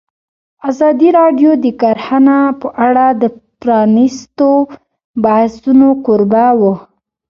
ازادي راډیو د کرهنه په اړه د پرانیستو بحثونو کوربه وه.